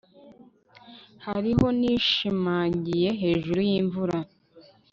hariho nishimangiye hejuru yimvura